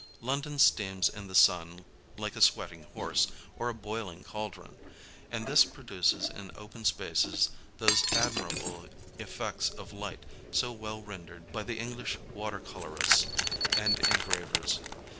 London steams in the sun like a sweating horse, or a boiling caldron ; and this produces in open spaces those admirable effects of light so well rendered by the English water colourists and engravers.